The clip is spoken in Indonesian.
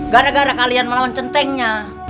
gara gara kalian melawan centengnya